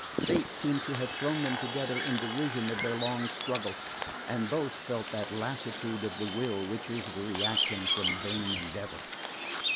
Fate seemed to have thrown them together in derision of their long struggle, and both felt that lassitude of the will which is the reaction from vain endeavour.